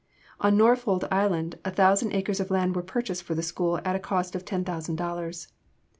On Norfold Island a thousand acres of land were purchased for the school at a cost of ten thousand dollars.